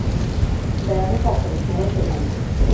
বেড়াবে কখন, সময় কোথায়।